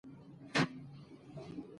د تره زوی نه دی بیا زوی د خره دی